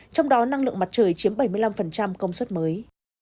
trong đó năng lượng mặt trời chiếm bảy mươi năm công suất mới